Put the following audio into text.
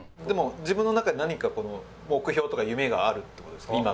でも自分の中に何かこの目標とか夢があるって事ですか？